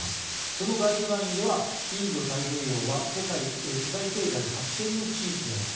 そのガイドラインではインド太平洋は世界経済発展の地域であると。